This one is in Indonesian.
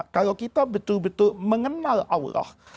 kalau kita betul betul mengenal allah